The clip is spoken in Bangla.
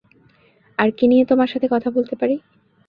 আর কী নিয়ে তোমার সাথে কথা বলতে পারি?